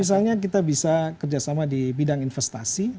misalnya kita bisa kerjasama di bidang investasi